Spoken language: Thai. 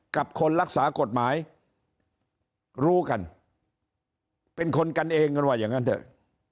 กับคนรักษากฎหมายรู้กันเป็นคนกันเองกันว่าอย่างนั้นเถอะ